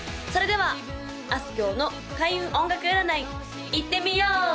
それではあすきょうの開運音楽占いいってみよう！